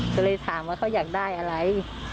ก็เลยถามว่าเขาอยากได้อะไร